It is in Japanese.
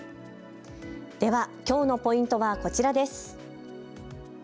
ではきょうのポイントはこちらです。